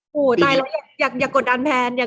หูยตายละอยากกดแอลแพร่ง